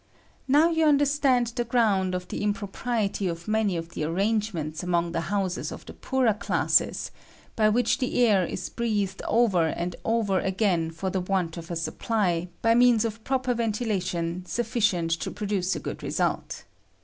Now you understand the ground of the impro priety of many of the arrangements among the houses of the poorer classes, by which the air is breathed over and over again for the want of a supply, by means of proper ventilation, sufficient to produce a good result.